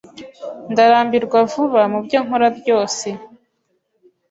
Ndarambirwa vuba mubyo nkora byose.